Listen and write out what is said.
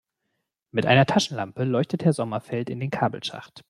Mit einer Taschenlampe leuchtet Herr Sommerfeld in den Kabelschacht.